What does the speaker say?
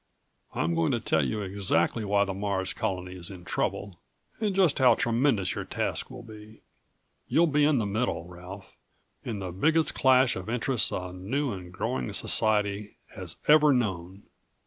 I'm going to tell you exactly why the Mars Colony is in trouble, and just how tremendous your task will be. You'll be in the middle, Ralph, in the biggest clash of interests a new and growing society has ever known.